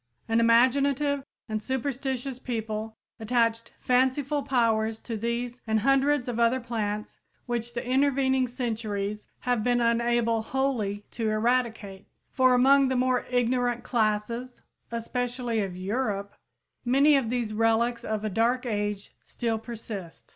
An imaginative and superstitious people attached fanciful powers to these and hundreds of other plants which the intervening centuries have been unable wholly to eradicate, for among the more ignorant classes, especially of Europe, many of these relics of a dark age still persist.